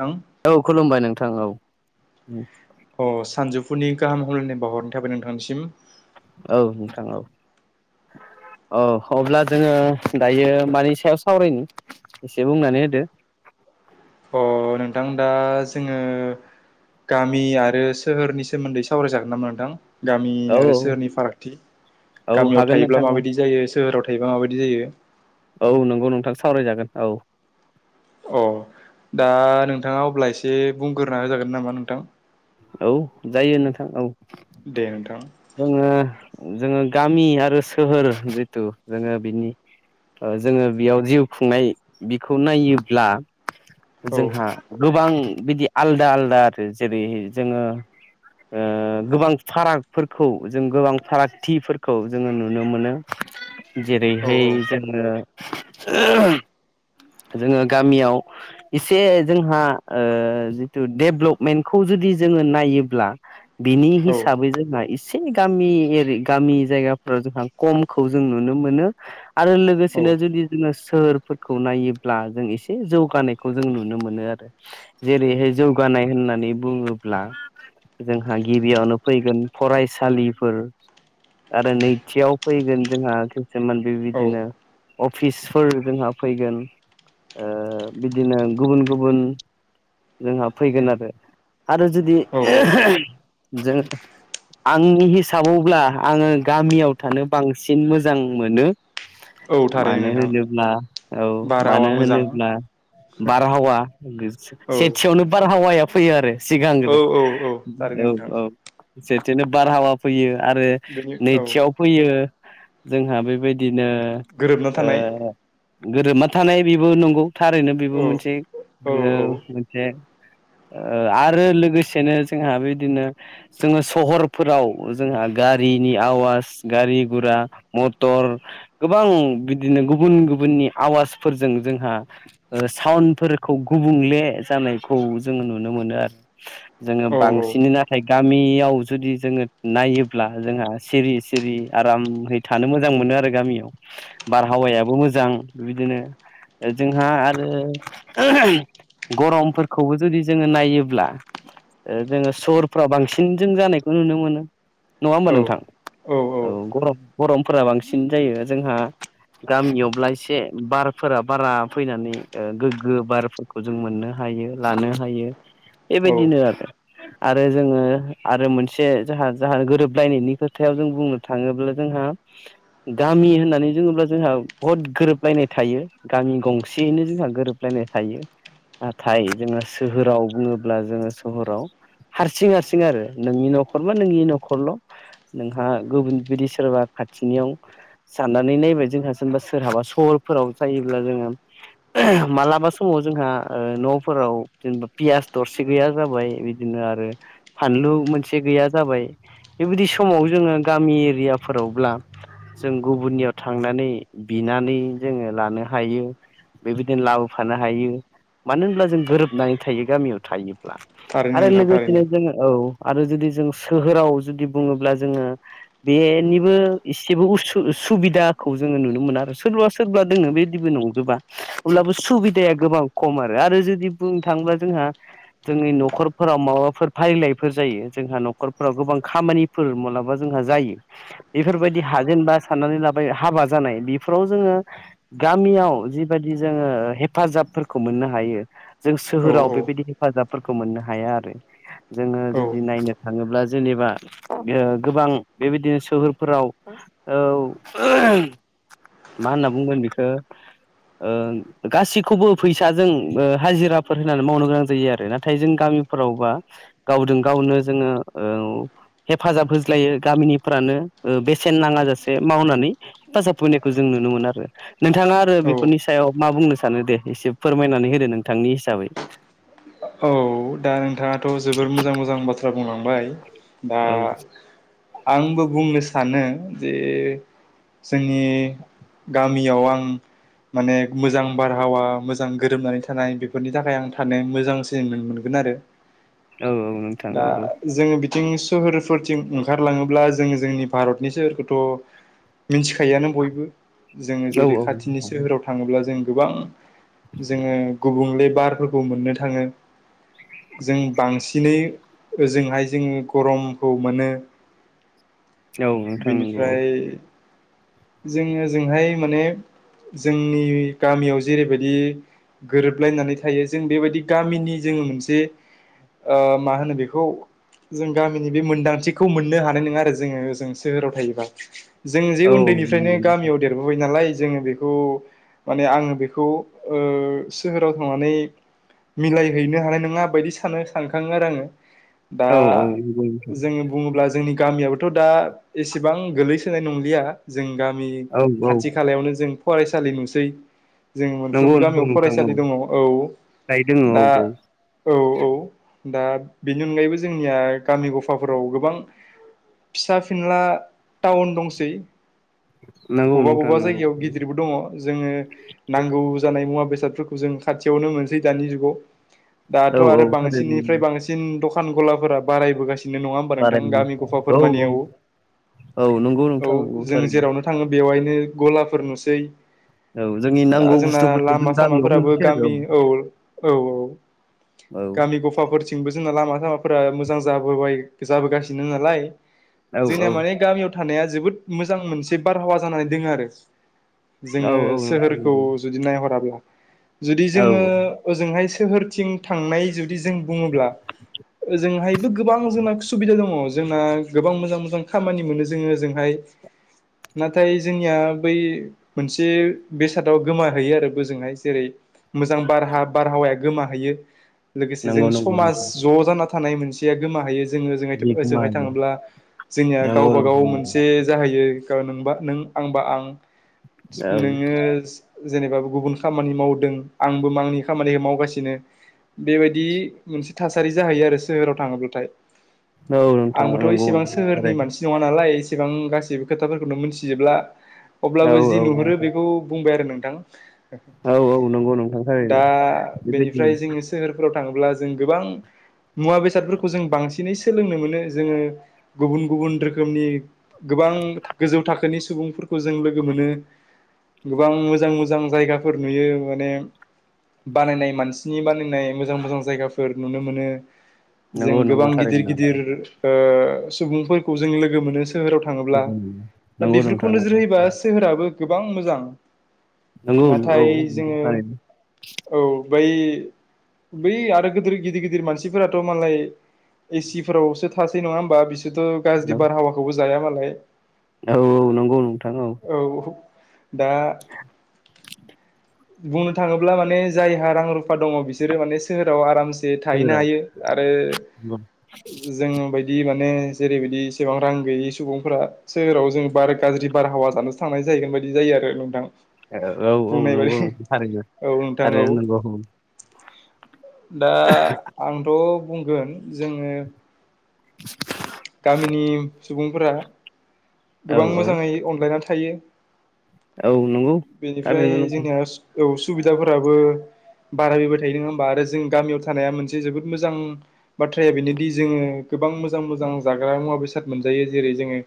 नोंथां औ खुलुमबाय नोंथां औ अ सानजौफुनि गाहाम हामलायनाय बावाहरनाय थाबाय नोंथांनिसिम औ नोंथां औ [unintelligible] औ अब्ला जोङो दायो मानि सायाव सावरायनो एसे बुंनानै होदो अ नोंथां दा जोङो गामि आरो सोहोरनि सोमोन्दै सावरायजागोन नामा नोंथां गामि औ आरो औ सोहोरनि फारागथि औ गामियाव हागोन थायोब्ला नोंथां औ माबायदि जायो सोहोराव थायोब्ला माबायदि जायो औ नंगौ नोंथां सावरायजागोन औ अ दा नोंथाङा अब्ला एसे बुंग्रोना जागोन नामा नोंथां औ जायो नोंथां औ दे नोंथां जोङो जोङो गामि आरो सोहोर जिथु जोङो बिनि जोङो बेयाव जिउ खुंनाय बिखौ नायोब्ला औ जोंहा गोबां बिदि आलदा आलदा आरो जेरै जोङो ओ गोबां फारागफोरखौ जों गोबां फारागथिफोरखौ जोङो नुनो मोनो औ जेरैहाय जोङो जोङो गामियाव एसे जोंहा जिथु डेभेलपमेन्टखौ जुदि जोङो नायोब्ला बिनि औ हिसाबै जोंहा एसे गामि एरि गामि जायगाफ्राव जोंहा खमखौ जों नुनो मोनो आरो औ लोगोसेनो जुदि जोङो सोरखौ नायोब्ला जों एसे जौगानायखौ जों नुनो मोनो आरो जेरैहाय जौगानाय नाय होननानै बुङो बोला जोंहा गिबियावनो फैगोन फरायसालिफोर आरो नैथियाव फैगोन जोंहा खिसुमान बेबायदिनो औ अफिसफोर जोंहा फैगोन ओ बिदिनो गुबुन गुबुन जोंहा फैगोन आरो आरो जुदि औ औ जों आंनि हिसाबावब्ला आङो गामियाव थानो बांसिन मोजां मोनो औ थारैनो मानो नोंथां होनोब्ला औ बारहावा मानो मोजां होनोब्ला बारहावा औ सेथियावनो बारहावाया फैयो आरो औ सिगांग्रो औ औ थारैनो औ नोंथां औ बिदिनो बारहावा फैयो आरो बेनि औ नैथियाव फैयो जोंहा बेबायदि गोरोबना थानाय बिनो गोरोबा थानाय बेबो नंगौ थारैनो बेबो औ मोनसे औ ग मोनसे आरो लोगोसेनो जोंहा बिदिनो जोङो सहरफोराव जोंहा गारिनि आवाज गारि गुरा मटर गोबां बिदिनो गुबुन गुबुननि आवाज फोर जोंहा साफोरखौ गुबुंले जानायखौ जोङो नु मोन नुनो मोनो आरो जोङो औ बांसिनै नाथाय गामियाव जुदि जोङो नायोब्ला जो सिरि सिरि आरामै थानो मोजां मोनो आरो गामियाव बारहावायाबो मोजां बिदिनो जोंहा आरो गरमफोरखौबो जुदि जोङो नायोब्ला ओ जोङो सहरफ्राव बांसिन जों जानायखौ नुनो मोनो नङा होम्बा औ नोंथां। औ गरम गरमफोरा बांसिन जायो जोंहा गामियावब्ला एसे बारफोर बारा फैनानै गोग्गो बारफोरखौ जों मोननो हायो लानो हायो। औ बेबायदिनो आरो। आरो जोङो आरो मोनसे जोंहा जोंहा गोरोबलायनायनि खोथायाव जों बुंनो थाङोब्ला जोंहा गामि होननानै बुङोब्ला जोंहा बहुद गोरोबलायनाय थायो गामि गंसेयैनो जोंहा गोरोबलायनाय थायो नाथाय जोङो सोहोराव बुङोब्ला जोङो सोहोराव हारसिं हारसिं आरो नोंनि न'खर मा नोंनि न'खर ल' नोंहा गुबुन बिदि सोरबा खाथिनियाव साननानै नायबाय जोंहाबा सोर हाबा सहरफोराव जायोब्ला जोङो मालाबा समाव जोंहा न'फोराव जेनेबा पियास दरसे गैया जाबाय बिदिनो आरो फानलु मोनसे गैया जाबाय बेबायदि समाव जोङो गामि एरियाफोरावब्ला जों गुबुननियाव थांनानै बिना नानै जोङो लानो हायो। बेबायदिनो लाबोफानो हायो मानो होनब्ला जों गोरोब नानै थायो गामियाव थायोब्ला थारैनो आरो नोंथां लोगोसेनो थारैनो जोङो औ आरो जुदि जों सोहोराव जुदि बुङोब्ला जोङो बेनिबो एसेबो उसु सुबिदाखौ जोङो नुनो मोनो आरो सोरबा सोरबा दोङो बेदिबो नंजोबा अब्लाबो सुबिदाया गोबां औ खम आरो आरो जुदि बुंनो थाङोब्ला जोंहा जोंनि न'खरफोराव माबाफोर फारिलाइफोर जायो जोंहा न'खरफोराव गोबां खामानिफोर मालाबा जोंहा जायो बेफोरबायदि हाजेनबा साननानै लाबाय हाबा जानाय बेफोराव जोङो गामियाव जिबायदि जोङो हेफाजाबफोरखौ मोननो हायो जों औ सोहोराव बेबायदि हेफाजाबफोरखौ मोननो हाया आरो जोङो औ जुदि नायनो थाङोब्ला जेनेबा गोबां गोबां बेबायदिनो सोहोरफोराव औ मा होनना बुंगोन बेखो गासैखौबो फैसाजों हाजिराफोर होनानै मावनो गोनां जायो आरो नाथाय जों गामिफोरावबा गावजों गावनो जोङो हेफाजाब होज्लायो गामिनिफ्रानो बेसेन नाङा जासे मावनानै हेफाजाब फैनायखौ जों नुनो मोन आरो नोंथाङा आरो औ बेफोरनि सायाव मा बुंनो सानो दे एसे फोरमायनानै होदो नों थांनि हिसाबै। औ जा बुंलांबाय दा औ आंबो बुंनो सानो जे जोंनि गामियाव आं माने मोजां बारहावा मोजां गोरोमनानै थानाय बेफोरनि थाखाय आं थानो मोजांसिन नुनो मोनो। औ औ नोंथां [unintelligible] दा नंगौ जोङो बि थिं सोहोरफोरथिं ओंखारलाङोब्ला जोङो जोंनि भारतनि सोहोरखौथ' मिथिखायोआनो बयबो। जोङो औ जेरै खाथिनि सोहोराव थाङोब्ला जों गोबां जोङो गुबुंले बार फोरखौ मोननो थाङो। जों बांसिनै ओजोंहाय जोङो गरमखौ मोनो औ नोंथां नंगौ बिनिफ्राय जोङो ओजोंहाय माने जोंनि गामियाव जेरैबायदि गोरोबलायनानै थायो जों बेबायदि गामिनि जोङो मोनसे ओ मा होनो बेखौ जों गामिनि बे मोन्दांथिखौ मोननो हानाय नङा आरो जोङो ओ जों सोहोराव थायोबा। जों जे उन्दैनिफ्रायनो औ गामियाव देरबोबाय नालाय जोङो बेखौ माने आङो बेखौ सोहोराव थांनानै मिलायहैनो हानाय नों ङा बायदि स सानखाङो आरो आङो दा औ औ नंगौ नोंथां जों बुङोब्ला जोंनि गामियाबोथ' दा एसेबां गोग्लैसोनाय नंलिया जों गामि मि औ औ खाथि खालायावनो जों फरायसालि नुसै। जों नंगौ मोनफ्रोमबो गामियाव नोंथां फरायसालि दङ औ दायो दोङो दा औ औ औ औ दा बेनि अनगायैबो जोंनिया गामि गफाफोराव गोबां फिसा फिनला टाउन दंसै। नंगौ बबा नोंथां बबा नंगौ जायगायाव गिदिरबो दङ जोङो नांगौ जानाय मुवा बेसादफोरखौ जों खाथियावनो मोनसै दानि जुगाव औ दाथ' आरो थारैनो बांसिननिफ्राय बांसिन द खान गलाफोरा बारायबोगासि नो नङा होमबा नोंथां। बारायनो गामि गफा औ फोरमानियाव औ औ नंगौ औ नोंथां नंगौ जों थारैनो जेरावनो थाङो बेवहायनो गलाफोर नुसै औ जोंनि दा नांगौ जोंना बुस्थुफोरखौ जों लामा गामियाव सामाफोराबो मोनसै आरो गामि औ औ औ औ गामि गफाफोरथिंबो जोंना लामा फोरा मोजां जाबोबाय जाबोगासिनो नालाय औ जोंनिया माने औ गामियाव थानाया जोबोद मोजां मोनसे बारहावा जानानै दोङो आरो। औ जोङो औ नोंथां सोहोरखौ नंगौ जुदि नायहराब्ला जुदि जोङो औ औ ओजोंहाय सोहोरथिं थांनाय जुदि जों बुङोब्ला ओजोंहायबो गोबां जोंना सुबिदा दङ जोंना गोबां मोजां मोजां खामानि मोनो जोङो ओजोंहाय नाथाय जोंनिया बै मोनसे बेसादाव गोमाहैयो आरो बोजोंहाय जेरै मोजां बारहा-बारहावाया गोमाहैयो। लोगोसे नंगौ जों नंगौ समाज नोंथां ज' जाना थानाय मोनसेया गोमाहैयो। जोङो जों ओजोंहाय था ओजोंहाय बेखौमा हायो थाङोब्ला जोंनिया नंगौ गावबा गाव नोंथां मोनसे जाहैयो। ओ नोंबा नों आंबा आं औ नोङो जेनेबा गुबुन खामानि मावदों आंबो आंनि खामानिखो मावगासिनो। बेबायदि मोनसे थासारि जाहैयो आरो सोहोराव थाङोब्लाथाय। औ नोंथां आंबोथ' नंगौ इसेबां नंगौ सोहोरनि थारैनो मानसि नङा नालाय बेसेबां गासिबो खोथाफोरखौनो मोनथिजोबला अब्लाबो जि औ औ नुहुरो नोंथां बेखौ बुंबाय आरो नों थां औ औ नंगौ नोंथां थारैनो दा बेबायदिनो बेनिफ्राय जोङो बेफोराव थाङोब्ला जों गोबां मुवा बेसादफोरखौ जों बांसिनै सोलोंनो मोनो जोङो गुबुन गुबुन रोखोमनि गो बां गोजौ थाखोनि सुबुंफोरखौ जों लोगो मोनो गोबां मोजां मोजां जायगाफोर नुयो माने बानायनाय मानसिनि बा नाय मोजां मोजां जायगाफोर नुनो मोनो जों नंगौ नंगौ गोबां गिदिर थारैनो गिदिर ओ सुबुंफोरखौ जों लोगो मोनो सोहोराव थाङोब्ला दा नंगौ बेफोरखौ नोंथां नोजोर नंगौ होयोबा सोहोराबो गोबां मोजां। नंगौ औ नाथाय नंगौ जोङो थारैनो औ बै बै आरो गोदोर गिदिर गिदिर मानसिफोराथ' मालाय एसिफोरावसो थासै नङा होमबा बिसोरथ' गाज्रि बारहावाखौबो जाया मालाय औ औ नंगौ नोंथां औ। दा बुंनो थाङोब्ला माने जायहा रां रुफा दङ बि सोरो माने सोहोराव आरामसे थाहैनो सोहोराव हायो आरो जों बायदि मा ने जेरैबायदि एसेबां रां गैयै सुबुंफोरा सोहोराव जों बार गाज्रि बारहावा जानोसो थांनाय जाहैगोन बिदि जायो आरो नोंथां। औ औ बुंनाय नोंगौ बादि नोंथां थारैनो औ नोंथां थारैनो औ नोंगौ। दा आंथ' बुंगोन जोङो गामिनि सुबुंफोरा औ गोबां औ मोजाङै अनलायना थायो। औ नंगौ बेनिफ्राय थारैनो नंगौ जोंनिया औ सुबिदाफोराबो बारायबोबाय थायो नोङा होमबा आरो जों गामियाव थानाया मोनसे जोबोद मोजां बाथ्राया बेनोदि जोङो गोबां मोजां मोजां जाग्रा मुवा बेसाद मोनजायो जेरै जोङो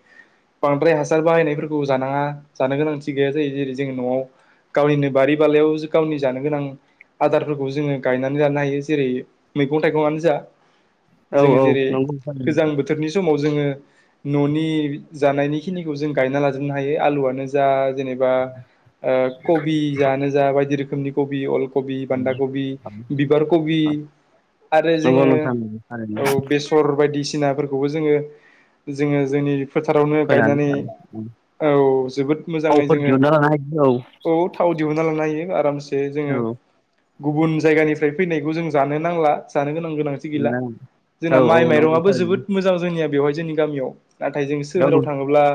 बांद्राय हासार बाहायनायफोरखौ जानाङा जानो गोनांथि गैया जायो जेरै जों न'आव गावनिनो बारि बालायाव गावनि जानो गोनां आदारफोरखौ जोङो गायनानै लानो हायो जेरै मैगं थायगंआनो जा औ जोङो औ जेरै नंगौ थारैनो गोजां बोथोरनि समाव जोङो न'नि जानायनि खिनिखौ जों गायना लाजोबनो हायो आलुआनो जा जेनेबा ओ कबिआनो जा बायदि रोखोमनि कबि अल कबि बान्दा कबि बिबार कबि आरो नंगौ जोङो नोंथां नंगौ थारैनो औ बेसर बायदिसिनाफोरखौ खौबो जोङो-जोङो जोंनि फोथारावनो फोनानै गायनानै औ जोबोद मोजाङै थावफोर जोङो दिहुनना लानो औ थाव दिहन लानो‌हायो आरामसे जोङो गुब जयगानिफ्राय फैनायखौ‌जों जानो नांला जानो गोनांथि गैला जोंना हायो औ औ माइ नंगौ मायरं जोबोद थारैनो मोजां जोंनिया बेवहाय जोंनि गामियाव नाथाय जों सोहोराव थाङोब्ला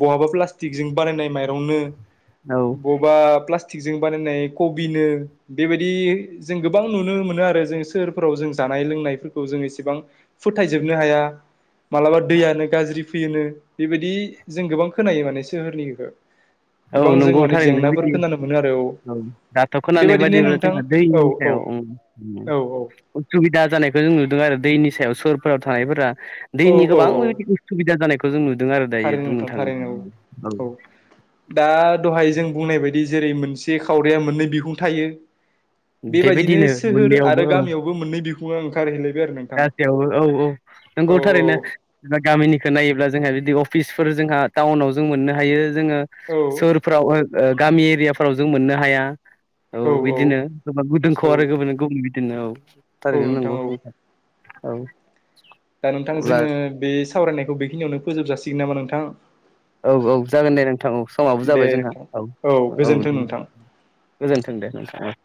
बहाबा प्लास्टिकजों बानायनाय मायरंनो औ बबा प्लाटि प्लासटिगजों बानायनाय कबिनो बेबायदि जों गोबां नुनो मोनो आरो जों सोहोरफोराव जों जानाय लोंनायफोरखौ जों इसेबां फोथायजोबनो हाया मालाबा दैआनो गाज्रि फैयोनो बेबायदि जों गोबां खोनायो माने सोहोरनिखो। औ नंगौ थारैनो बिबायदि औ दाथ' खोनानाय बेबायदिनो बायदिब्ला नोंथां जोंहा औ दैनि औ सायाव औ उसुबिदा जानायखौ जों नुदों आरो दैनि सायाव सोहोरफोराव थानायफोरा औ दैनि औ गोबां औ उसुबिदा जानायखौ जों नुनो मोनो‌ आरो दायो थारैनो बुंनो नोंथां थारैनो थाङोब्ला औ-औ औ औ दा दहाय जों बुंनाय बायदि जेरै मोनसे खावरिया मोननै बिहुं थायो बेबायदिनो सोहोर मोननैयावबो आरो औ गामियावबो मोननै बिखुङा ओंखारहैलाय गासैयावबो औ-औ औ नंगौ थारैनो गामिनिखौ नायोब्ला जोंहा बिदि अ अफिसफोर जोंहा टाउनाव जों मोननो हायो जोङो औ सोहोरफ्राव ओ गामि एरियाफोराव जों मोननो हाया औ बिदिनोब औ गुदुंखौ आरो गुब गुबुन बिदिनो औ औ थारैखैनो नोंथां नंगौ औ नोंथां औ। दा नोंथां अब्ला जोङो बे सावरायनायखौ बेखिनियावनो फोजोब जासिगोन नामा नोंथां। औ-औ जागोन दे नोंथां औ समावबो दे जाबाय जोंहा नोंथां औ औ-औ गोजोन्थों दे। नोंथां गोजोनथों दे नोंथां?